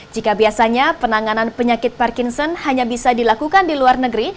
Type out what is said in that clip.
jika biasanya penanganan penyakit parkinson hanya bisa dilakukan di luar negeri